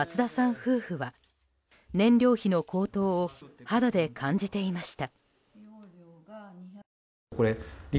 夫婦は燃料費の高騰を肌で感じていました。